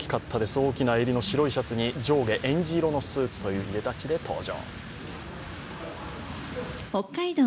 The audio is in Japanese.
大きな襟の白いシャツ上下えんじ色のスーツといういでたちで登場。